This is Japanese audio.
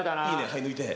はい抜いて。